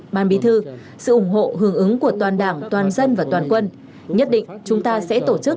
ban bí thư sự ủng hộ hưởng ứng của toàn đảng toàn dân và toàn quân nhất định chúng ta sẽ tổ chức